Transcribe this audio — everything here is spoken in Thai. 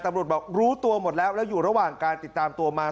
บอกรู้ตัวหมดแล้วแล้วอยู่ระหว่างการติดตามตัวมา